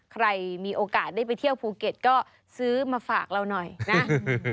ใครมีโอกาสได้ไปเที่ยวภูเก็ตก็ซื้อมาฝากเราหน่อยนะ